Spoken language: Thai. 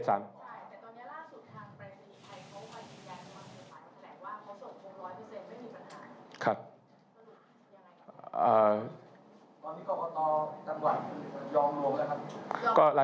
แล้วอีกประถึงเวลา